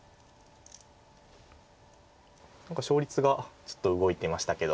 何か勝率がちょっと動いてましたけど。